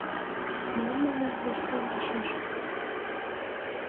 — Мом, манам, воштылашыже?